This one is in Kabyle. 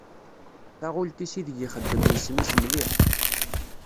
Taɣult-is i deg ixeddem yessen-as mliḥ.